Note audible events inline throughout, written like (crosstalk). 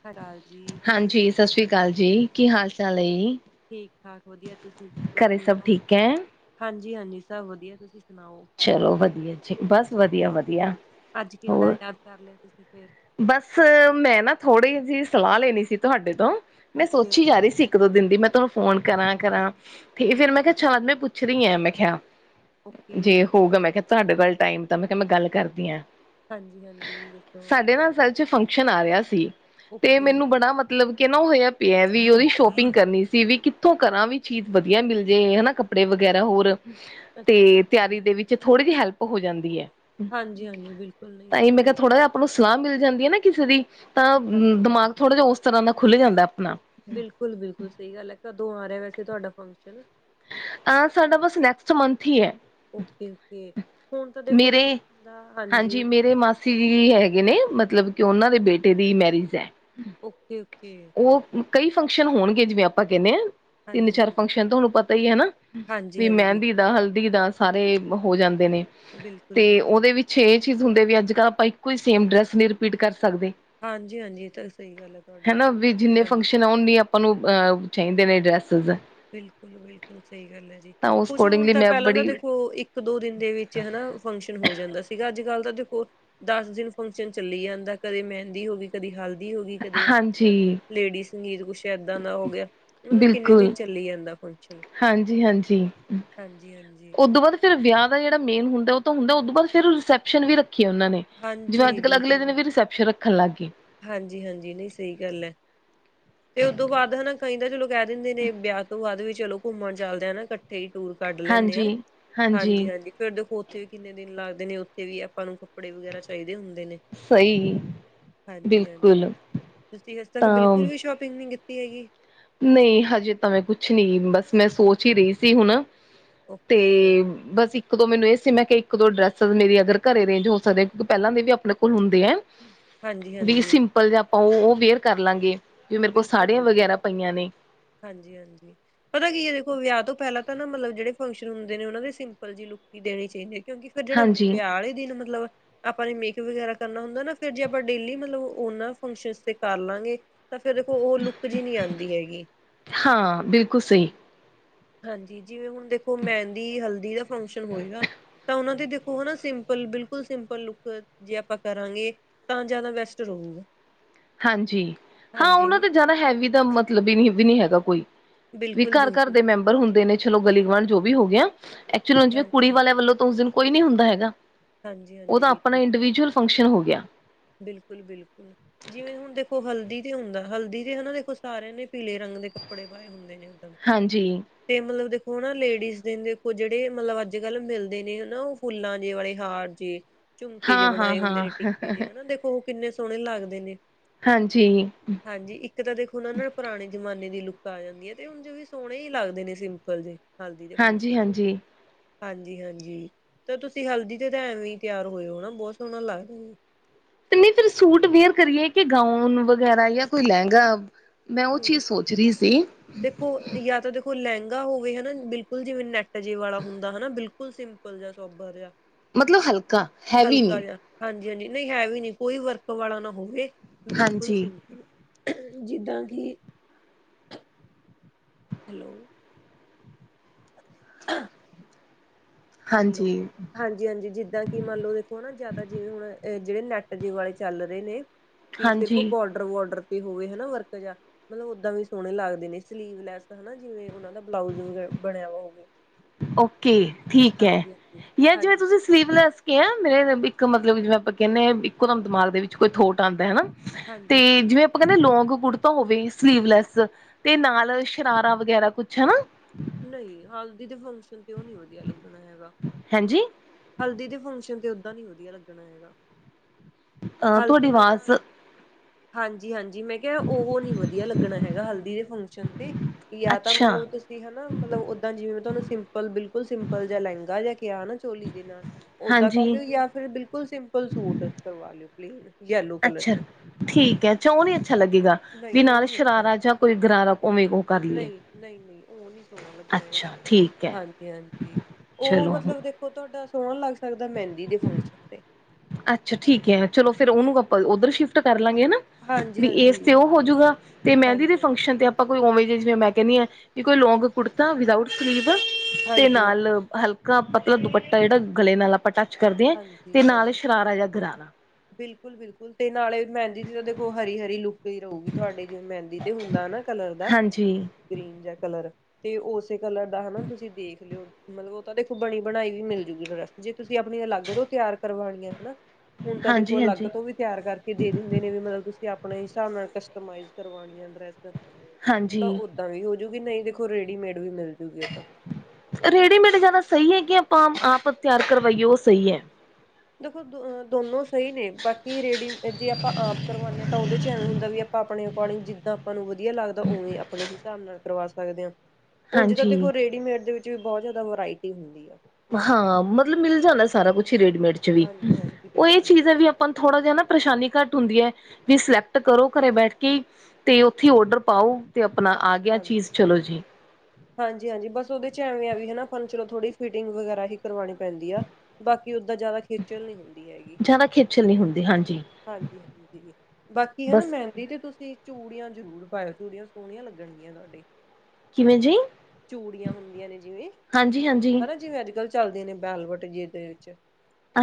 ਸਤਿ ਸ਼੍ਰੀ ਅਕਾਲ ਜੀ, ਹਾਂਜੀ, ਸਤਿ ਸ਼੍ਰੀ ਅਕਾਲ ਜੀ। ਕੀ ਹਾਲ-ਚਾਲ ਏ? ਠੀਕ-ਠਾਕ, ਵਧੀਆ। ਤੁਸੀਂ ਦੱਸੋ, ਕਿਵੇਂ ਹੋ? ਠੀਕ ਹੈ ਹਾਂਜੀ, ਹਾਂਜੀ, ਸਭ ਵਧੀਆ। ਤੁਸੀਂ ਸੁਣਾਓ? ਚਲੋ, ਵਧੀਆ ਜੀ, ਬਸ ਵਧੀਆ-ਵਧੀਆ। ਅੱਜ ਕਿੱਦਾਂ ਹੋਰ? ਯਾਦ ਕਰ ਲਿਆ ਤੁਸੀਂ ਫੇਰ? ਬਸ, ਮੈਂ ਨਾ ਥੋੜੀ ਜਿਹੀ ਸਲਾਹ ਲੈਣੀ ਸੀ ਤੁਹਾਡੇ ਤੋਂ, ਮੈਂ ਓਕੇ ਸੋਚੀ ਜਾ ਓਕੇ ਰਹੀ ਸੀ। ਇੱਕ-ਦੋ ਦਿਨ ਦੀ ਮੈਂ ਤੁਹਾਨੂੰ ਫੋਨ ਕਰਾਂ-ਕਰਾਂ ਤੇ ਠੀਕ ਫੇਰ ਹੈ ਮੈਂ ਕਿਹਾ, ਠੀਕ ਛਡ, ਮੈਂ ਪੁੱਛਦੀ ਆ, ਮੈਂ ਕਿਹਾ। ਓਕੇ ਜੇ ਹੋਊਗਾ, ਮੈਂ ਕਿਹਾ ਤੁਹਾਡੇ ਵੱਲ ਟਾਈਮ, ਤਾਂ ਮੈਂ ਕਿਹਾ, ਮੈਂ ਗੱਲ ਕਰਦੀ ਆ। ਹਾਂਜੀ ਹਾਂਜੀ ਦੱਸੋ ਸਾਡੇ ਨਾ, ਅਸਲ ਚ ਫੰਕਸ਼ਨ ਆ ਰਿਹਾ ਸੀ, ਤੇ ਓਕੇ ਮੈਨੂੰ ਬੜਾ ਮਤਬ ਮਤਲਬ ਕਿ ਨਾ, ਉਹ ਹੋਇਆ ਪਿਆ ਵੀ, ਉਹਦੀ ਸ਼ੋਪਿੰਗ ਕਰਨੀ ਸੀ। ਵੀ ਕਿੱਥੋਂ ਕਰਾਂ? ਵੀ ਚੀਜ਼ ਵਧੀਆ ਮਿਲ ਜੇ, ਹੈਨਾ? ਕੱਪ ਕੱਪੜੇ ਵਗੈਰਾ ਹੋਰ, ਅੱਛਾ ਜੀ ਤੇ ਅੱਛਾ ਤਿਆਰੀ ਦੇ ਵਿੱਚ ਥੋੜੀ ਜੀ ਹੈਲਪ ਹੋ ਜਾਂਦੀ ਹੈ। ਹਾਂਜੀ- ਹਾਂਜੀ ਬਿਲਕੁਲ ਨਹੀਂ ਇਹ ਤਾਂ, ਮੈਂ ਕਿਹਾ ਠੀਕ ਥੋੜ੍ਹਾ ਨਹੀਂ। ਜਿਹਾ ਆਪਾਂ ਨੂੰ ਸਲਾਹ ਮਿਲ ਜਾਂਦੀ ਹੈ ਨਾ ਕਿਸੇ ਦੀ, ਤਾਂ ਹਾਂਜੀ ਦਿਮਾਗ ਹਾਂਜੀ ਥੋੜਾ ਜਿ ਉਸ ਤਰਾਂ ਦਾ ਖੁੱਲ ਜਾਂਦਾ ਆਪਣਾ। ਬਿਲਕੁਲ- ਬਿਲਕੁਲ ਸਹੀ ਗੱਲ ਹੈ। ਕਦੋਂ ਆ ਰਿਹਾ ਵੈਸੇ ਤੁਹਾਡਾ ਫੰਕਸ਼ਨ? ਅ ਸਾਡਾ ਬਸ ਨੈਕਸਟ ਮੰਥ ਹੀ ਹੈ। ਓਕੇ- ਓਕੇ ਹੁਣ ਤਾਂ ਦੇਖੋ, ਹਾਂਜੀ। ਸੀ ਹੈਗੇ ਨੇ, ਮਤਲਬ ਕਿ ਉਹਨਾਂ ਦੇ ਬੇਟੇ ਦੀ ਮੈਰਿਜ ਹੈ। Okay- okay. ਉਹ ਕਈ ਫੰਕਸ਼ਨ ਹੋਣਗੇ, ਜਿਵੇਂ ਆਪਾਂ ਕਹਿੰਦੇ ਆ। ਤਿੰਨ, ਹਾਂਜੀ ਚਾਰ ਹਾਂਜੀ ਫੰਕਸ਼ਨ ਤੁਹਾਨੂੰ ਪਤਾ ਹੀ ਆ, ਹਨਾ ਹਾਂਜੀ ਵੀ ਹਾਂਜੀ ਮਹਿੰਦੀ ਦਾ, ਹਲਦੀ ਦਾ। ਸਾਰੇ ਹੋ ਜਾਂਦੇ ਨੇ, ਬਿਲਕੁਲ ਤੇ ਬਿਲਕੁਲ ਉਹਦੇ ਵਿੱਚ ਛੇ ਚੀਜ਼ ਹੁੰਦੇ ਵੀ, ਅੱਜ ਕੱਲ ਆਪਾਂ ਇੱਕੋ ਹੀ ਸੇਮ ਡਰੈਸ ਨਹੀਂ, ਰਿਪੀਟ ਕਰ ਸਕਦੇ। ਹਾਂਜੀ- ਹਾਂਜੀ ਐ ਤਾਂ ਸਹੀ ਗੱਲ ਹੈ। ਤੁਹਾਡੀ ਹਨਾ, ਵੀ ਜਿੰਨੇ ਹਾਂਜੀ ਫੰਕਸ਼ਨ ਹੋਣ ਉਹਨੀ ਆਪਾਂ ਨੂੰ ਅਹ ਚਾਹੀਦੇ ਨੇ ਡਰੈਸਿਸ ਆ। ਬਿਲਕੁਲ- ਬਿਲਕੁਲ ਸਹੀ ਗੱਲ ਹੈ ਜੀ, ਉਸ ਕੁੱਛ ਹੁਣ ਅਕੋਰਡਿੰਗਲੀ ਤਾਂ ਮੈਂ ਪਹਿਲਾਂ ਦਾ ਬੜੀ ਦੇਖੋ ਇੱਕ, ਇੱਕ, ਦੋ ਦਿਨ ਦੇ ਵਿੱਚ ਹਨਾ ਫੰਕਸ਼ਨ ਹੋ ਜਾਂਦਾ ਸੀਗਾ। ਅੱਜ ਕੱਲ ਤਾਂ ਦੇਖੋ ਦਸ ਦਿਨ ਫੰਕਸ਼ਨ ਚੱਲੀ ਜਾਂਦਾ, ਕਦੇ ਮਹਿੰਦੀ ਹੋ ਗਣੀ। ਕਦੀ ਹਲਦੀ ਹੋ ਗਈ, ਕਦੇ ਹਾਂਜੀ ਲੇਡੀ ਸੰਗੀਤ, ਕੁਛ ਏਦਾਂ ਦਾ ਹੋ ਗਿਆ। ਮਤਲਬ ਕਿੰਨੇ ਬਿਲਕੁਲ ਦਿਨ ਚੱਲੀ ਜਾਂਦਾ ਫੰਕਸ਼ਨ ਹਾਂਜੀ- ਹਾਂਜੀ, ਹਾਂਜੀ-ਹਾਂਜੀ, ਓ- ਉਦੋਂ ਬਾਅਦ ਫੇਰ ਵਿਆਹ ਦਾ ਜਿਹੜਾ ਮੇਨ ਹੁੰਦਾ, ਤਾਂ ਹੁੰਦਾ ਓਦੋਂ ਬਾਅਦ ਫੇਰ ਰਿਸੈਪਸ਼ਨ ਵੀ ਰ- ਰੱਖੀ ਉਹਨਾਂ ਨੇ ਜਿਵੇਂ, ਹਾਂਜੀ ਅੱਜ ਕੱਲ ਅਗਲੇ ਦਿਨ ਵੀ ਰਿਸੈਪਸ਼ਨ ਰੱਖਣ ਲੱਗ ਗਣੇ। ਹਾਂਜੀ- ਹਾਂਜੀ ਨਹੀਂ ਸਹੀ ਗੱਲ ਹੈ। ਤੇ ਉਹਦੋਂ ਬਾਅਦ ਹਨਾ, ਕਈ ਤਾਂ ਚਲੋ ਕਹਿ ਦਿੰਦੇ ਨੇ, ਵਿਆਹ ਤੋਂ ਬਾਅਦ ਵੀ ਚਲੋ ਘੁੰਮਣ ਚੱਲਦੇ ਆ ਨਾ। ਇਕ- ਇਥੇ ਹੀ ਟੂਰ ਕੱਢ ਲੈਂਦੇ ਹਾਂ। ਹਾਂਜੀ ਹਾਂਜੀ- ਹਾਂਜੀ। ਫੇਰ ਦੇਖੋ ਉੱਥੇ ਵੀ ਕਿੰਨੇ ਦਿਨ ਲੱਗਦੇ ਨੇ। ਉੱਥੇ ਵੀ ਆਪਾਂ ਨੂੰ ਕੱਪੜੇ ਵਗੈਰਾ ਚਾਹੀਦੇ ਹੁੰਦੇ ਨੇ। ਸਹੀ। ਹਾਂਜੀ- ਹਾਂਜੀ ਬਿਲਕੁਲ ਤੁਸੀਂ ਅੱਜੇ ਤੱਕ ਤਾਂ ਬਿਲਕੁਲ ਵੀ ਸ਼ੋਪਿੰਗ ਨਹੀਂ ਕੀਤੀ ਹੈਗੀ। ਨਹੀਂ ਹਜੇ ਤਾਵੇਂ ਕੁਛ ਨਹੀਂ ਬਸ ਮੈਂ ਸੋਚ ਹੀ ਰਹੀ ਸੀ, ਹੁਣ। ਤੇ ਓਕੇ ਬਸ ਇੱਕ- ਮੈਨੁ ਏ ਸੀ ਇਕ- ਦੋ ਡਰੈਸਾਂ ਮੇਰੇ ਅਗਰ ਘਰੇ ਅਰੇਂਜ ਹੋ ਸਕਦੇ। ਮੇਰੇ ਪਹਿਲਾਂ ਦੀਆਂ ਵੀ ਆਪਣੇ ਕੋਲ ਹੋਦੀ ਏ। ਵੀ ਹਾਂਜੀ-ਹਾਂਜੀ ਸਿੰਪਲ ਜਾਂ ਪਾਂਉਹ ਉਹ ਵੇਅਰ ਕਰ ਲਾਂਗੇ, ਜੋ ਮੇਰੇ ਕੋਲ ਸਾਰਿਆਂ ਵਗੈਰਾ ਪਈਆਂ ਨੇ। ਹਾਂਜੀ- ਹਾਂਜੀ। ਪਤਾ ਕੀ ਇਹ, ਦੇਖੋ ਵਿਆਹ ਤੋਂ ਪਹਿਲਾਂ ਤਾਂ ਨਾ ਮਤਲਬ ਜਿਹੜੇ ਫੰਗਸ਼ਨ ਹੁੰਦੇ ਨੇ, ਉਹਨਾ ਦੇ ਸਿਪਲ ਲੁੱਕ ਹੀ ਦੇਣੇ ਚਾਹੀਦੀ ਹੈ। ਕਿਉਕਿ ਜਿਹੜਾ ਹਾਂਜੀ ਵਿਆਹ ਵਾਲੇ ਦਿਨ ਮਤਲਬ- ਆਪਾਂ ਨੇ ਮੇਕਅਪ ਵਗੈਰਾ ਕਰਨਾ ਹੁੰਦਾ ਨਾ, ਫੇਰ ਜੇ ਆਪਾਂ ਡੇਲੀ ਮਤਲਬ ਉਹਨਾ ਫੰਗਸ਼ਨ ਤੇ ਕਰ ਲਾਗੇ। ਤਾਂ ਫੇਰ ਦੇਖੋ ਉਹ ਲੁੱਕ ਜਿਹੀ ਨਹੀ ਆਉਦੀ ਹੈਗੀ। ਹਾਂ। ਬਿਲਕੁਲ ਸਹੀ। ਹਾਂਜੀ। ਜਿਵੇਂ ਹੁਣ ਦੇਖੋ ਮਹਿੰਦੀ, ਹਲਦੀ ਦਾ ਫੰਕਸ਼ਨ ਹੋਏਗਾ। ਤਾਂ ਉਹਨਾਂ ਦੇੋ ਉਹ ਨਾ ਸਿੰਪਲ, ਬਿਲਕੁਲ ਸਿੰਪਲ ਲੁੱਕ ਜੇ ਆਪਾਂ ਕਰਾਂਗੇ। ਤਾਂ ਜ਼ਿਆਦਾ ਬੈਸਟ ਰਹੇਗਾ। ਹਾਂਜੀ। ਹਾਂ, ਉਹਨਾਂ ਤੇ ਜਾਦਾ ਹੈਵੀ ਤਾਂ ਮਤਲਬ ਨਹੀਂ ਵੀ ਨਹੀਂ ਹੈਗਾ ਕੋਈ। ਵੀ ਬਿਲਕੁਲ ਘਰ ਘਰ -ਬਿਲਕੁਲ। ਦੇ ਮੈਂਬਰ ਹੁੰਦੇ ਨੇ, ਚਲੋ ਗਲੀ ਗੁਆਂਢ ਜੋ ਵੀ ਹੋ ਗ। ਐਕਚੁਲੀਿਵੇਂ ਕੁੜੀ ਹਾਂਜੀ ਵਾਲਿਆਂ ਵੱਲੋਂ ਤਾਂ ਉਸ ਦਿਨ ਕੋਈ ਨਹੀਂ ਹੁੰਦਾ ਹੈਗਾ। ਹਾਂਜੀ ਹਾਂਜੀ ਉਹਦਾ ਆਪਣਾ ਬਿਲਕੁਲ ਇੰਡੀਵਿਜੂਅਲ ਫੰਕਸ਼ਨ ਹੋ ਗਿਆ। ਬਿਲਕੁਲ- ਬਿਲਕੁਲ। ਜਿਵੇਂ ਹੁਣ ਦੇਖੋ ਹਲਦੀ ਤੇ ਹੁੰਦਾ, ਹਲਦੀ ਤੇ ਹਨਾ ਦੇਖੋ, ਸਾਰਿਆਂ ਨੇ ਪੀਲੇ ਰੰਗ ਦੇ ਕੱਪੜੇ ਪਾਏ। ਹੁੰਦੇ ਨੇ ਉੱਦਾਂ। ਹਾਂਜੀ। ਤੇ ਮਤਲਬ ਦੇਖੋ ਹਨ ਨਾ ਲੇਡੀਜ਼ ਦੇ ਦੇਖੋ, ਜਿਹੜੇ ਮਤਲਬ, ਅਜ ਕਲ ਮਿਲਦੇ ਨੇ ਹਨਾ। ਉਹ ਫੁੱਲਾ ਜੇ ਵਾਲੇ ਹਾਰ ਜੇ, ਝੁਮਕੇ ਜੇ, ਹਾਂ ਹਾਂ ਬਣਾਏ ਹੁੰਦੇ ਹਾਂ ਨੇ ਟਿਕੇ ਜਿ ਹਨਾ। ਦੇਖੋ, ਉਹ ਕਿਨੇ ਸੋਹਣੇ ਲੱਗਦੇ ਨੇ। ਹਾਂਜੀ। ਹਾਂਜੀ। ਇਕ ਤਾਂ ਦੇਖੋ ਨਾ ਨਾਲ ਪੁਰਾਣੇ ਜਮਾਨੇ ਦੀ ਲੁੱਕ ਆ ਜਾਦੀ ਹੈ। ਤੇ ਹੁਣ ਜਵੀ ਸੋਹਣੇ ਹੀ ਲੱਗਦੇ ਨੇ ਸਿੰਪਲ ਜੇ। ਹਲਦੀ ਦੇ ਹਾਂਜੀ ਫੰਗਸ਼ਨ ਤੇ- ਹਾਂਜੀ ਹਾਂਜੀ- ਹਾਂਜੀ। ਤਾਂ ਤੁਸੀ ਹਲਦੀ ਤੇ ਤਾਂ ਐਵੇ ਹੀ ਤਿਆਰ ਹੋਏ ਹੋ ਨਾ ਬਹੁਤ ਸੋਹਣਾ ਲੱਗਦਾ ਜੀ। ਤੇ ਨਹੀ ਫਿਰ ਸੂਟ ਵੇਅਰ ਕਰੀਏ, ਕਿ ਗਾਊਨ ਵਗੈਰਾ ਜਾਂ ਕੋਈ ਲਹਿਗਾ। ਮੈਂ ਉਹ ਹਮ ਚੀਜ਼ ਸੋਚ ਰਹੀ ਸੀ। ਦੇਖੋ, ਜਾਂ ਤਾਂ ਦੇਖੋ ਲਹਿਗਾ ਹੋਵੇ, ਹਨਾ। ਬਿਲਕੁਲ ਜਿਵੇ ਨੈਟ ਜੇ ਵਾਲਾ ਹੁੰਦਾ ਹਨਾ। ਬਿਲਕੁਲ ਸਿੰਪਲ। ਲ ਜਾਹਾ ਸੌਬਰ ਜਿਹਾ। (unintelligible) ਮਤਲਬ ਹਲਕਾ ਹੈਵੀ ਹਲਕਾ ਨਹੀਂ। ਜਹਾ। ਹਾਂਜੀ- ਹਾਂਜੀ ਨਹੀ ਹੈ ਵੀ ਨਹੀ, ਕੋਈ ਵਰਕ ਵਾਲਾ ਨਾ ਹੋਵੇ। ਬਿਲਕੁਲ ਹਾਂਜੀ, ਸਿੰਪਲ, ਜਿੱਦਾਂ ਕਿ- ਹੈਲੋ, ਹਲੋ, ਹਾਂਜੀ, ਹਾਂਜੀ- ਹਾਂਜੀ। ਜਿੱਦਾਂ- ਕਿ ਮੰਨਲਓ ਦੇਖੋ ਨਾ, ਜਿਆਦਾ ਜਿਵੇ ਹੁਣ ਜਿਹੜੇ ਨੈਟ ਦੇ ਵਾਲਲੇ ਚਲ ਰਹੇ ਨੇ, ਕਿ ਸਿਰਫ ਹਾਂਜੀ ਬੋਡਰ ਡਵੋਡਰ ਤੇ ਹੋਵੇ ਹਨਾ, ਵਰਕ ਜਾ- ਮਤਲਬ ਓਦਾ ਵੀ ਸੋਹਣੇ ਲੱਗਦੇ ਨੇ ਸਲੀਵਲੈਸ ਹਨਾ, ਜਿਵੇ ਉਹਨਾਂ ਦਾ ਬਲਾਊਜ ਬਣਿਆ ਵਾ ਹੋਵੇ। ਓਕੇ, ਠੀਕ ਹੈ। ਹਾਂਜੀ-ਹਾਂਜੀ, ਜਾਂ ਜਿਵੇ ਹਾਂਜੀ, ਤੁਸੀ ਸੀਵਲੈਸ ਕਿਹਾ, ਮੇਰੇ ਇਕ ਮਤਲਬ ਜਿਵੇ ਆਪਾਂ ਕਹਿਦੇ ਹ ਇਕੋਦਮ ਦਿਮਾਗ ਦੇ ਵਿਚ ਕੋਈ ਥੋਟ ਆਉਦਾ। ਹਨਾ। ਤੇ ਹਾਂਜੀ-ਹਾਂਜੀ। ਜਿਵੇ- ਆਪਾਂ ਕਹਿਦੇ ਲੋਂਂਗ ਕੁੜਤਾ ਹੋਵੇ ਸਲੀਵਲੈਸ, ਤੇ ਨਾਲ ਸ਼ਰਾਰਾ ਵਗੈਰਾ ਕੁਛ ਹਨਾ। ਨਹੀ, ਹਾਲਦੀ ਦੇ ਫੰਗਸ਼ਨ ਤੇ ਉਹ ਨਹੀ ਵਧੀਆ ਲੱਗਣਾ ਹੈਗਾ। ਹਾਂਜੀ। ਹਲਦੀ ਦੇ ਫੰਗਸ਼ਨ ਤੇ ਓਦਾ ਨੀ ਵਧੀਆ ਲੱਗਣਾ ਹੈਗਾ। ਅਹ ਤੁਹਾਡੀ ਹਲਦੀ ਤੇ ਤਾਂ, ਆਵਾਜ਼ ਹਾਂਜੀ- ਹਾਂਜੀ। ਜੀ ਮੈ ਕਿਹਾ, ਉਹ ਨੀ ਵਧੀਆ ਲੱਗਣਾ ਹੈਗਾ ਹਲਦੀ ਦੇ ਫੰਗਸ਼ਨ ਤੇ ਜਾਂ ਤਾਂ ਅੱਛਾ ਮਤਲਬ ਮਤਲਬ ਓਦਾਂ ਜਿਵੇ ਮੈ ਤੁਹਾਨੂੰ ਸਿੰਪਲ ਬਿਲਕੁਲ ਸਿੰਪਲ ਜ ਲਹਿੰਗਾ ਜਿਹਾ ਕਿਹਾ ਚੋਲੀ ਨਾਲ ਓਦਾਂ ਕਰ ਹਾਂਜੀ ਲਿਓ ਜਾਂ ਫਿਰ ਬਿਲਕੁਲ ਸਿੰਪਲ ਸੂਟ ਕਰਵਾ ਲਿਓ ਪਲੇਨ। ਯੈਲੋ ਕਲਰ ਅਛਾ। ਚ ਠੀਕ ਹੈ, ਅਛਾ ਉਹ ਨੀ ਅਛਾ ਲਗੇਗਾ। ਨਹੀਂ ਵੀ ਉਹ ਨਾਲ ਨੀ ਅੱਛਾ ਸ਼ਰਾਰਾ ਜਾਂ ਕੋਈ ਗਰਾਰਾ ਉਵੇਂ ਕੁ ਉਹ ਕਰ ਲਈਏ। ਨਹੀਂ-ਨਹੀਂ ਉਹ ਨੀ ਸੋਹਣਾ ਲੱਗਣਾ ਹੈਗਾ ਅੱਛਾ ਠੀਕ ਹੈ ਹਾਂਜੀ-ਹਾਂਜੀ। ਉਹ ਚਲੋ ਮਤਲਬ ਦੇਖ ਤੁਹਾਡਾ ਸੋਹਣਾ ਲੱਗ ਸਕਦਾ ਮਹਿੰਦੀ ਦੇ ਫੰਕਸ਼ਨ ਤੇ। ਅੱਛਾ। ਠੀਕ ਹੈ। ਚਲੋ ਫੇਰ ਉਹਨੂੰ ਆਪ ਉਧਰ ਸ਼ਿਫ ਕਰ ਲਾਂਗੇ ਹੈ ਨਾ, ਹਾਂਜੀ ਵੀ ਇਸ ਹਾਂਜੀ ਤੇ ਉਹ ਹੋਜੂਗਾ, ਤੇ ਮਹਿੰਦੀ ਦੇ ਹਾਂਜੀ ਹਾਂਜੀ ਫੰਕਸ਼ਨ ਤੇ ਆਪ ਆਪਾਂ ਕੋਈ ਉਵੇਂ ਜ ਜਿਵੇਂ ਮੈਂ ਕਹਿੰਦੀ ਹਾਂ। ਕਿ ਕੋਈ ਲੌਂਗ ਕੁੜਤਾ, ਵਿਦਊਟ ਸਲੀਵ ਤੇ ਹਾਂਜੀ ਨਾਲ ਹਲਕਾ ਪਤਲਾ ਦੁਪੱਟਾ ਜਿਹੜਾ ਗਲੇ ਨਾਲ ਆਪਾਂ ਟੱਚ ਕਰਦੇ ਹਾਂ, ਤੇ ਨਾਲ ਹੀ ਸ਼ਰਾਰਾ ਜਾਂ ਗਰਾਰਾ। ਬਿਲਕੁਲ-ਬਿਲਕੁਲ ਤੇ ਨਾਲੇ ਮਹਿੰਦੀ ਜੀ ਤਾਂ ਦੇਖੋ ਹਰੀ-ਹਰੀ ਲੂਕ। ਫੇਰ ਹੳਗੀ ਤੁਹਾਡੇ ਜਿਵੇ ਮਹਿੰਦੀ ਤੇ ਹੁੰਦਾ ਨਾ ਕਲਰ ਦਾ ਹਾਂਜੀ ਗ੍ਰੀਨ ਜਾਂ ਕਲਰ। ਤੇ ਉਸੇ ਕਲਰ ਦਾ ਹਨਾ ਤੁਸੀ ਦੇਖ ਲਿਓ। ਮਤਲਬ ਉਹ ਤਾਂ ਦੇਖੋ ਬਣੀ ਬਣਾਈ ਵੀ। ਮਿਲ ਜੂਗੀ ਡਰੈਸ ਜੇ ਤੁਸੀ ਆਪਣੀਆਂ ਅਲਗੋ ਤਿਆਰ ਕਰਵਾਉਣੀਆਂ ਹਨ। ਹੁਣ ਤਾਂ ਦੇਖੋ ਹਾਂਜੀ ਅਲੱਗ ਹਾਂਜੀ ਤੋ ਵੀ। ਤਿਆਰ ਕਰਕੇ ਦੇ ਦਿੰਦੇ ਨੇ ਵੀ। ਮਤਲਬ ਤੁਸੀ ਆਪਣੇ ਹਿਸਾਬ ਨਾਲ ਕਸਟਮਈਟ ਫਿਟਿੰਗ ਕਰਵਾ ਡਰੈਸ। ਤਾਂ ਹਾਂਜੀ ਓਦਾਂ ਵੀ ਹੋਜੂਗੀ ਨਹੀ। ਦੇਖੋ ਰੇਡੀਮੇਡ ਵੀ ਮਿਲਜੂਗੀ ਉਹਦ ਤਾਂ। ਰੇਡੀਮੇਡ ਜਿਆਦਾ ਸਹੀ ਹੈ। ਕਿ ਆਪਾਂ ਆਪ ਤਿਆਰ ਕਰਵਾਈਏ ਉਹ ਸਹੀ ਹੈ। ਦੇਖੋ ਦੋਹ ਦੋਨੋ ਸਹੀ ਨੇ। ਬਾਕੀ ਰੇਡੀ ਜੇ ਆਪਾਂ ਆਪ ਕਰਵਾਉਦੇ ਹਾਂ। ਤਾਂ ਉਹਦੇ 'ਚ ਐਵੇ ਹੁੰਦਾ ਵੀ। ਆਪਾਂ ਆਪਣੇ ਅਕੋਰਡਿੰਗ ਜਿੰਦਾਂ ਆਪਾਂ ਨੂੰ ਵਧੀਆ ਲੱਗਦਾ ਉਵੇ ਆਪਣੇ ਹਿਸਾਬ ਨਾਲ ਕਰਵਾ ਸਕਦੇ ਹਾਂ। ਉਝ ਤਾਂ ਹਾਂਜੀ ਦੇਖੋ ਰੇਡੀਮੇਡ ਦੇ ਵਿਚ ਵੀ ਬਹੁਤ ਜ਼ਿਆਦਾ ਵਰਾਇਟੀ ਹੁੰਦੀ ਆ। ਹਾਂ ਮਤਲਬ ਮਿਲ ਜਾਂਦਾ ਸਾਰਾ ਕੁਛ ਹੀ ਰੇਡੀਮੇਡ 'ਚ ਵੀ। ਹਾਂਜੀ ਹਾਂਜੀ ਉਹ ਇਹ ਬਿਲਕੁਲ ਚੀਜ ਹੈ। ਵੀ ਆਪਾਂ ਥੋੜਾ ਜਿਹਾ ਨਾ ਪਰੇਸ਼ਾਨੀ ਘੱਟ ਹੁੰਦੀ ਹੈ। ਵੀ ਸਿਲੈਕਟ ਕਰੋ ਘਰੇ ਬੈਠ ਕੇ ਹੀ। ਤੇ ਉੱਥੇ ਓਡਰ ਪਾਓ। ਤੇ ਆਪਣਾ ਆ ਗਿਆ ਚੀਜ਼ ਚਲੋ ਜੀ। ਹਾਂਜੀ-ਹਾਂਜੀ ਬਸ ਉਹਦੇ ਚ ਐਵੇਂ ਆ ਵੀ ਹਨਾ ਫ ਚਲੋ ਥੋੜ੍ਹੀ ਫਿਟਿੰਗ ਵਗੈਰਾ ਹੀ ਕਰਵਾਣੀ ਪੈਂਦੀ ਆ। ਬਾਕੀ ਓਦਾਂ ਜ਼ਿਆਦਾ। ਖੇਚਲ ਨਹੀ ਹੁੰਦੀ। ਹੈਗੀ ਜ਼ਿਆਦਾ ਖੇਚਲ ਨਹੀਂ ਹੁੰਦੀ ਹਾਂਜੀ ਹਾਂਜੀ-ਹਾਂਜੀ ਬਾਕੀ ਹਨਾ। ਬਸ ਮੈਂ ਦੀਦੀ ਤੁਸੀਂ ਚੂੜੀਆਂ ਜ਼ਰੂਰ ਪਾਇਓ। ਚੂੜੀਆਂ ਸੋਹਣੀਆਂ ਲੱਗਣਗੀਆਂ। ਤੁਹਾਡੇ ਕਿਵੇਂ ਜੀ ਚੂੜੀਆਂ ਹੁੰਦੀਆਂ ਨੇ ਜਿਵੇਂ ਹਾਂਜੀ ਹਾਂਜੀ ਪਤਾ ਜਿਵੇਂ ਅੱਜ-ਕੱਲ੍ਹ। ਚੱਲਦੇ ਨੇ ਬੈਲਵਟ ਜਿਦੇ ਵਿੱਚ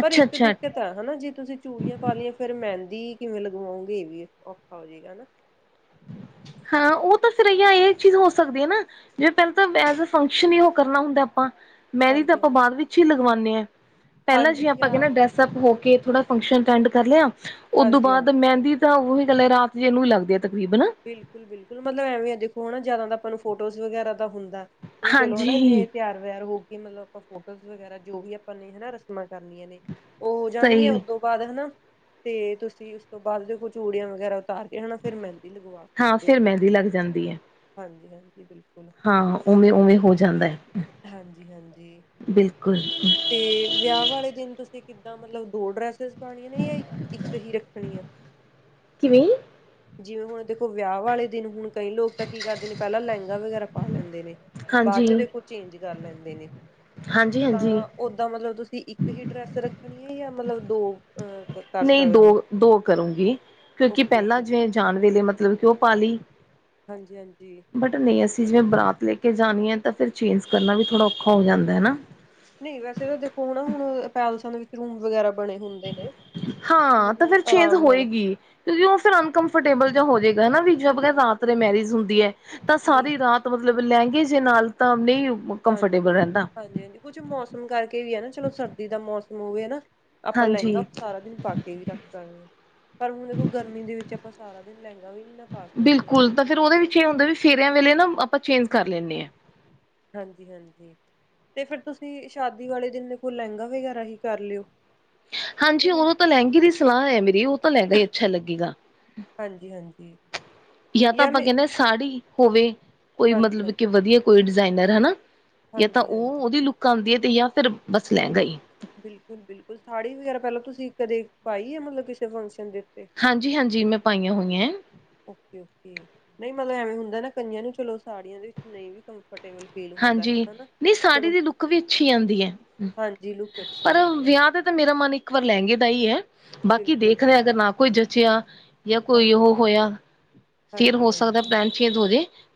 ਪਰ ਇੱਕ ਅੱਛਾ ਦਿੱਕਤ ਹੈ। ਹਨਾ ਜੇ ਤੁਸੀਂ ਚੂੜੀਆਂ ਪਾ ਲਈਆਂ। ਫੇਰ ਮਹਿੰਦੀ ਕਿਵੇਂ ਲਗਵਾਓਗੇ ਇਹ ਵੀ ਔਖਾ ਹੋ ਜਾਏਗਾ ਹਨਾ। ਹਾਂ ਉਹ ਤਾਂ ਫਿਰ ਇ ਇਹ ਚੀਜ਼ ਹੋ ਸਕਦੀ ਹੈ ਨਾਂ। ਜਿਵੇਂ ਤੀਨ ਦੀਨ ਤਾਂ ਐਜ ਫੰਕਸ਼ਨ ਹੀ ਉਹ ਕਰਨਾ ਹੁੰਦਾ ਆਪਾਂ। ਮੇਹਦੀ ਤਾਂ ਹਾਂਜੀ ਆਪਾਂ ਹਾਂਜੀ ਬਾਅਦ ਵਿੱਚ ਹੀ ਲਗਵਾਉਂਦੇ ਹਾਂ। ਪਹਿਲਾਂ ਜਿ ਹਾਂਜੀ ਆਪਾਂ ਆ ਕਹਿੰਦੇ ਡਰੈਸ। ਸਬ ਹੋ ਕੇ ਥੋੜਾ ਫੰਕਸ਼ਨ ਅਟੈਂਡ ਕਰ ਲਿਆ। ਉਦੋਂ ਹਾਂਜੀ ਬਾਅਦ ਹਾਂਜੀ ਮਹਿੰਦੀ। ਤਾਂ ਉਹੀ ਇਕੱਲੇ ਰਾਤ ਜੇ ਇਹਨੂੰ ਹੀ ਲੱਗਦੇ ਆ ਤਕਰੀਬਨ। ਬਿਲਕੁਲ-ਬਿਲਕੁਲ। ਮਤਲਬ ਐਵੇਂ ਦੇਖੋ ਹੈ ਨਾ ਜ਼ਿਆਦਾ ਤਾਂ ਆਪਾਂ ਫੋਟੋਜ਼ ਵਗੈਰਾ ਦਾ ਹੁੰਦਾ। ਵੀ ਚਲੋ ਹਨਾ ਇੰਨੇ ਹਾਂਜੀ ਤਿਆਰ-ਵਿਆਰ ਹੋ ਗਈ ਮਤਲਬ। ਫੋਰਸਜ ਵਗੈਰਾ। ਜੋ ਵੀ ਆਪਾਂ ਨੇ ਹਨਾ ਰਸਮਾਂ ਕਰਨੀਆਂ ਨੇ। ਉਹ ਹੋ ਸਹੀ ਜਾਣਗੀਆਂ ਉਦੋਂ ਬਾਅਦ ਹਨਾ ਤੇ ਤੁਸੀਂ ਉਸ ਤੋਂ ਬਾਅਦ ਦੇਖੋ ਚੂੜੀਆਂ ਵਗੈਰਾ ਉਤਾਰ ਕੇ ਹਨਾ। ਫੇਰ ਮਹਿੰਦੀ ਲਗਵਾ। ਹਾਂ ਫਿਰ ਮਹਿੰਦੀ ਲੱਗ ਜਾਂਦੀ ਹੈ। ਹਾਂਜੀ-ਹਾਂਜੀ ਬਿਲਕੁਲ। ਹਾਂ ਉਵੇਂ- ਉਵੇਂ ਹੋ ਜਾਂਦਾ ਹੈ। ਹਾਂਜੀ-ਹਾਂਜੀ। ਬਿਲਕੁਲ ਤੇ ਵਿਆਹ ਵਾਲੇ ਦਿਨ ਤੁਸੀਂ ਕਿੱਦਾਂ ਮਤਲਬ। ਦੋ ਡਰੈਸਿਸ ਪਾਣੀਆਂ ਨੇ ਜਾਂ ਇੱਕ ਇੱਕ ਹੀ ਰੱਖਣੀਆਂ। ਕਿਵੇਂ? ਜਿਵੇਂ ਹੁਣ ਦੇਖੋ। ਵਿਆਹ ਵਾਲੇ ਦਿਨ ਹੁਣ ਕਈ ਲੋਕ ਤਾਂ ਕੀ ਕਰਦੇ ਨੇ ਪਹਿਲਾਂ ਲਹਿੰਗਾ ਵਗੈਰਾ ਪਾ ਲੈਂਦੇ ਨੇ। ਬਾਅਦ ਹਾਂਜੀ ਚ ਦੇਖੋ ਚੇਂਜ ਕਰ ਲੈਂਦੇ ਨੇ ਹਾਂਜੀ ਹਾਂਜੀ ਤਾਂ। ਓਦਾਂ ਮਤਲਬ ਤੁਸੀਂ ਇੱਕ ਹੀ ਡਰੈੱਸ ਰੱਖਣੀ ਹੈ। ਜਾਂ ਮਤਲਬ ਦੋ ਆਂ। ਨਹੀਂ ਦੋ-ਦੋ ਕਰੂੰਗੀ। ਹੋ ਕਿਉਂਕਿ ਓਕੇ ਪਹਿਲਾਂ ਓਕੇ ਜਿਵੇਂ ਜਣ ਵੇਲੇ ਮਤਲਬ ਕਿ ਉਂਹ ਪਾ ਲਈ। ਹਾਂਜੀ-ਹਾਂਜੀ। ਬਟ ਨਹੀਂ। ਅਸੀਂ ਜਿਵੇਂ ਬਰਾਤ ਲੈ ਕੇ ਜਾਣੀ ਹੈ। ਤਾਂ ਫਿਰ ਚੇਂਜ ਕਰਨਾ ਵੀ ਥੋੜ੍ਹਾ ਔਖਾ ਹੋ ਜਾਂਦਾ ਨਾ। ਨਹੀਂ ਵੈਸੇ ਤਾਂ ਦੇਖੋ ਹੁਣ ਨਾ ਹੁਣ ਪੈਲਸਾਂ ਦੇ ਵਿੱਚ ਰੂਮ ਵਗੈਰਾ ਬਣੇ ਹੁੰਦੇ ਨੇ। ਹਾਂ ਤਾਂ ਮਤਲਬ ਫਿਰ ਚੇਂਜ਼ ਆਰਾਮ ਨਾਲ ਹੋਏਗੀ। ਕਿਉਂਕਿ ਉਹ ਫਿਰ ਅਨਕਫਰਟੇਬਲ ਜਾਂ ਹੋ ਜਾਵੇਗਾ। ਵੀ ਜੀ ਬਰ ਰਾਤ ਰ ਮੈਰਿਜ ਹੁੰਦੀ ਹੈ। ਤਾਂ ਸਾਰੀ ਬਿਲਕੁਲ ਰਾਤ ਮਤਲਬ ਲਹਿੰਗੇ ਜੇ ਨਾਲ ਤਾਂ ਨਹੀਂ ਕੰਫਰਟੇਬਲ ਰਹਿੰਦਾ। ਕੁੱਛ ਮੌਸਮ ਕਰਕੇ ਵੀ ਹੈ। ਨਾ ਚਲੋ ਸਰਦੀ ਦਾ ਮੌਸਮ ਹੋਵੇ ਹਨਾ। ਆਪਾਂ ਲਹਿੰਗਾ ਹਾਂਜੀ ਸਾਰਾ ਦਿਨ ਪਾ ਕੇ ਵੀ ਰੱਖ ਸਕਦੇ। ਪਰ ਹੁਣ ਦੇਖੋ ਗਰਮੀ ਦੇ ਵਿੱਚ ਆਪਾਂ ਸਾਰਾ ਦਿਨ ਲਹਿੰਗਾ ਵੀ ਨੀ ਨਾ ਪਾ ਸਕਦੇ ਹੈਗੇ। ਕੀ ਹੁੰਦਾ ਆਵੀ ਫੇਰਿਆਂ ਵੇਲੇ ਨਾ ਆਪਾਂ ਚੇਂਜ ਕਰ ਲੈਂਦੇ ਹਾਂ। ਹਾਂਜੀ -ਹਾਂਜੀ। ਤੇ ਫਿਰ ਤੁਸੀਂ ਸ਼ਾਦੀ ਵਾਲੇ ਦਿਨ ਦੇ ਕੋਲੋਂ ਲਹਿੰਗਾ ਵਗੈਰਾ ਹੀ ਕਰ ਲਿਓ। ਕਿ ਹਾਂਜੀ ਨਹੀਂ ਉਹਦਾ ਤਾਂ ਲਹਿੰਗੇ ਦੀ ਸਲਾਹ ਹੈ ਮੇਰੀ ਉਹ ਤਾਂ ਲਹਿੰਗਾ ਹੀ ਅੱਛਾ ਲੱਗੇਗਾ। ਹਾਂਜੀ-ਹਾਂਜੀ ਯਾਂ ਤਾਂ ਯਾਰ ਆਪਾਂ ਮੈਂ ਕਹਿੰਣੇ ਸਾੜੀ ਹੋਵੇ ਕੋਈ ਮਤਲਬ ਹਾਂਜੀ-ਹਾਂਜੀ, ਕਿ ਵਧੀਆ ਕੋਈ ਡਿਜ਼ਾਇਨਰ ਹਨਾ। ਯਾਂ ਤਾਂ ਉਹ ਹਾਂਜੀ-ਹਾਂਜੀ। ਉਹਦੀ ਲੁੱਕ ਆਂਦੀ ਹੈ ਤੇ ਯਾ ਫਿਰ ਬਸ ਲੈਂਹਿਗਾ ਹੀ ਬਿਲਕੁਲ-ਬਿਲਕੁਲ ਸਾੜੀ ਵਗੈਰਾ ਪਹਿਲਾਂ ਤੁਸੀਂ ਕਦੇ ਪਾਈ ਆ ਮਤਲਬ ਕਿਸੇ ਫੰਕਸ਼ਨ ਦੇ ਉਤੇ ਹਾਂਜੀ-ਹਾਂਜੀ ਮੈਂ ਪਾਈਆਂ ਹੋਈਆਂ ਹੈ। ਓਕੇ-ਓਕੇ ਨਹੀਂ ਮਤਲਬ ਐਵੇਂ ਹੁੰਦਾ ਨਾ ਕਈਆਂ ਨੂੰ ਚਲੋ ਸਾੜੀਆਂ ਦੇ ਵਿੱਚ ਨਹੀਂ ਵੀ ਕੰਫਰਟੇਬਲ ਫੀਲ ਹੁੰਦਾ ਹਾਂਜੀ ਹੈਗਾ ਨਾ ਨਹੀਂ ਚਲੋ ਸਾੜੀ ਦੀ ਲੁੱਕ ਵੀ ਅੱਛੀ ਆਂਦੀ ਹੈ ਹਾਂਜੀ ਲੁੱਕ ਅੱਛੀ ਪਰ ਆਂਦੀ ਆ ਵਿਆਹ ਦੇ ਮੇਰਾ ਮਨ ਇੱਕ ਵਾਰ ਲਹਿੰਗੇ ਦਾ ਹੀ ਹੈ ਬਾਕੀ ਬਿਲਕੁਲ ਦੇਖਦੇ ਅਗਰ ਨਾ ਕੋਈ ਜਚਿਆ ਯਾ ਕੋਈ ਹਾਂਜੀ ਉਹ ਹੋਇਆ ਫਿਰ ਹੋ ਹਾਂਜੀ ਹਾਂਜੀ ਸਕਦਾ ਪੈਂ ਚੇਂਜ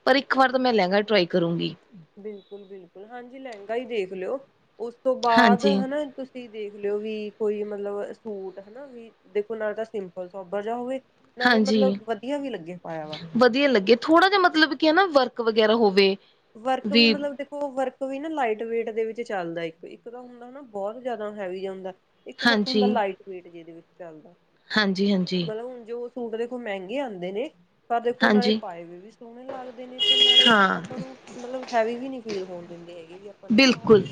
ਪਰ ਇੱਕ ਵਾਰ ਤਾਂ ਮੈਂ ਲਹਿੰਗਾ ਟਰਾਈ ਕਰੂੰਗੀ। ਬਿਲਕੁਲ-ਬਿਲਕੁਲ ਹਾਂਜੀ ਲਹਿੰਗਾ ਹੀ ਦੇਖ ਲਓ ਉਸ ਤੋਂ ਬਾਅਦ ਹਾਂਜੀ। ਹਨਾ ਤੁਸੀਂ ਤੁਸੀਂ ਦੇਖ ਲਿਓ ਵੀ ਕੋਈ ਮਤਲਬ ਸੂਟ ਹਨਾ ਵੀ ਦੇਖੋ ਨਾ ਤਾਂ ਸਿੰਪਲ ਸੋਬਰ ਜਿਹਾ ਹੋਵੇ। ਨਾਲੇ ਮਤਲਬ ਹਾਂਜੀ, ਵਧੀਆ ਵੀ ਲੱਗੇ ਪਾਇਆ ਵਾ। ਵਧੀਆ ਲੱਗੇ ਥੋੜਾ ਜ ਮਤਲਬ ਕਿ ਨਾ ਵਰਕ ਵਗੈਰਾ ਹੋਵੇ। ਵਰਕ ਵੀ ਮਤਲਬ ਦੇ ਉਹ ਵਰਕ ਵੀ ਨਾ ਲਾਈਟ ਵੇਟ ਦੇ ਵਿੱਚ ਚੱਲਦਾ ਇੱਕ ਤਾਂ ਹੁੰਦਾ ਹਨਾ ਬਹੁਤ ਜ਼ਿਆਦਾ ਹੈਵੀ ਜਾਂਦਾ। ਇੱਕ ਵਰਕ ਹੁੰਦਾ ਲਾਈਟ ਵੇਟ ਜਿਦੇ ਵਿੱਚ ਚੱਲਦਾ। ਹਾਂਜੀ-ਹਾਂਜੀ ਮਤਲਬ ਹੁਣ ਜੋ ਸੂਟ ਦੇਖੋ ਮਹਿੰਗੇ ਹੁੰਦੇ ਨੇ। ਆਪਾਂ ਦੇਖੋ ਨਾਲੇ ਹਾਂਜੀ ਪਾਏ ਵੇ ਵੀ ਸੋਹਣੇ ਲੱਗਦੇ ਨੇ ਤੇ ਨਾਲੇ ਹਾਂ ਆਪਾਂ ਨੂੰ ਮਤਲਬ ਹੈਵੀ ਵੀ ਨਹੀ ਫੀਲ ਹੋਣ ਦਿੰਦੇ ਹੈਗੇ ਵੀ ਨੇ ਪਾ ਬਿਲਕੁਲ ਲਏ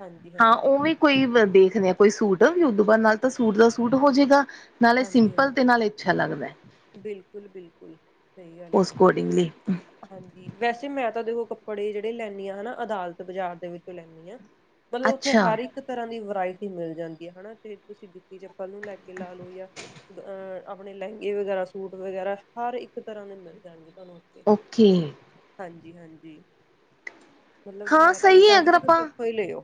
ਹਾਂਜੀ ਹਾਂ ਹਾਂਜੀ ਉਵੇਂ ਕੋਈ ਦੇਖਦੇ ਆ ਕੋਈ ਸੂਟ ਵੀ ਉਦੂ ਬਾ ਨਾਲ ਤਾਂ ਸੂਟ ਦਾ ਸੂਟ ਹੋ ਜਾਏਗਾ। ਨਾਲੇ ਸਿੰਪਲ ਤੇ ਨਾਲ ਅੱਛਾ ਲੱਗਦਾ। ਬਿਲਕੁਲ-ਬਿਲਕੁਲ ਸਹੀ ਗੱਲ ਹੈ। ਉਸ ਅਕੋਰਡਿੰਗਲੀ ਹਾਂਜੀ ਵੈਸੇ ਮੈਂ ਤਾਂ ਦੇਖੋ ਕੱਪੜੇ ਜਿਹੜੇ ਲੈਣੀ ਹਾਂ ਹਨਾ ਅਦਾਲਤ ਬਾਜ਼ਾਰ ਦੇ ਵਿੱਚੋਂ ਲੈਣੀ ਆਂ। ਮਤਲਬ ਉੱਥੇ ਅੱਛਾ। ਹਰ ਇੱਕ ਇੱਕ ਤਰ੍ਹਾਂ ਦੀ ਵਰਾਇਟੀ ਮਿਲ ਜਾਂਦੀ ਹੈ ਹਨਾ ਤੇ ਤੁਸੀਂ ਜੁੱਤੀ ਚੱਪਲ ਨੂੰ ਲੈ ਕੇ ਲਾ ਲਓ ਜਾਂ ਅਹ ਆਪਣੇ ਲਹਿੰਗੇ ਵਗੈਰਾ ਸੂਟ ਵਗੈਰਾ ਹਰ ਇੱਕ ਤਰ੍ਹਾਂ ਦੇ ਮਿਲ ਜਾਣਗੇ ਤੁਹਾਨੂੰ ਉਥੇ ਓਕੇ ਹਾਂਜੀ-ਹਾਂਜੀ ਹਾਂ ਸਹੀ ਹੈ ਅਗਰ ਕਿ ਤੁਸੀਂ ਆਪਾਂ ਉੱਥੋਂ ਹੀ ਲਿਓ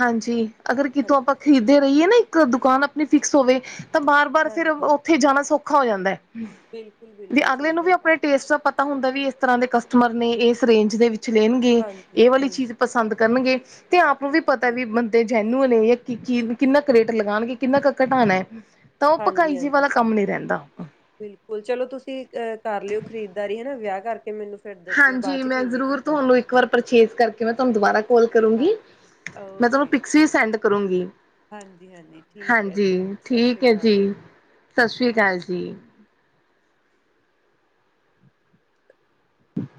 ਹਾਂਜੀ ਅਗਰ ਕਿਥੋਂ ਹਾਂਜੀ ਆਪਾਂ ਖਰੀਦੇ ਰਹੀਏ ਨਾ ਇੱਕ ਦੁਕਾਨ ਆਪਣੀ ਫਿਕਸ ਹੋਵੇ ਤਾਂ ਬਾਰ- ਬਾਰ ਫਿਰ ਹਾਂਜੀ ਉਥੇ ਜਾਣਾ ਸੌਖਾ ਹੋ ਜਾਂਦਾ ਹੈ। ਬਿਲਕੁਲ ਵੀ ਬਿਲਕੁਲ ਅਗਲੇ ਸਹੀ ਨੂੰ ਵੀ ਗੱਲ ਆਪਣੇ ਟੇਸਟ ਦਾ ਪਤਾ ਹੁੰਦਾ ਵੀ ਇਸ ਤਰ੍ਹਾਂ ਦੇ ਕਸਟਮਰ ਨੇ ਇਸ ਰੇਂਜ ਦੇ ਵਿੱਚ ਲੈਣਗੇ। ਹਾਂਜੀ ਇਹ ਵਾਲੀ ਚੀਜ਼ ਹਾਂਜੀ ਪਸੰਦ ਕਰਨਗੇ ਤੇ ਆਪ ਨੂੰ ਵੀ ਪਤਾ ਜੀ ਵੀ ਤੇ ਜੈਨੂਨ ਕਿੰਨਾ ਕੁ ਰੇਟ ਲਗਾਂਣਗੇ ਕਿੰਨਾ ਕੁ ਘਟਾਣਾ ਤਾਂ ਉਹ ਹਾਂਜੀ ਪਕਾਈ ਜੀ ਹਾਂਜੀ ਵਾਲਾ ਕੰਮ ਨੀ ਰਹਿੰਦਾ। ਬਿਲਕੁਲ ਚਲੋਂ ਤੁਸੀਂ ਅਹ ਕਰ ਲਿਓ ਖ਼ਰੀਦਦਾਰੀ ਹਨਾ ਵਿਆਹ ਕਰਕੇ ਕਿ ਮੈਨੂੰ ਫੇਰ ਦੱਸਿਓ ਬਾਅਦ 'ਚ ਕਿਵੇਂ ਰਿਹਾ ਤੁਹਾਡਾ ਪਰ ਪਰਚੇਸ ਕਰਕੇ ਮੈਂ ਤੁਹਾਨੂੰ ਦੁਬਾਰਾ ਕਾਲ ਕਰੂੰਗੀ ਹਾਂਜੀ ਮੈਂ ਤੁਹਾਨੂੰ ਪੀਕਸ ਵੀ ਸੈਂਡ ਕਰੂੰਗੀ। ਹਾਂਜੀ-ਹਾਂਜੀ ਠੀਕ ਹੈ ਜੀ ਹਾਂਜੀ ਸਤਿ ਸ੍ਰੀ ਠੀਕ ਹੈ ਜੀ ਅਕਾਲ। ਸਤਿ ਸ਼੍ਰੀ ਅਕਾਲ ਜੀ।